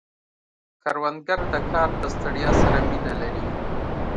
کروندګر د کار د ستړیا سره مینه لري